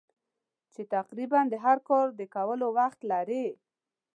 چې تقریباً د هر کار د کولو وخت لرې.